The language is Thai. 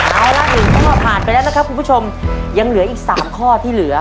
เอาละ๑ข้อผ่านไปแล้วนะครับคุณผู้ชมยังเหลืออีก๓ข้อที่เหลือ